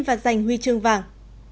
và giành huy chương vàng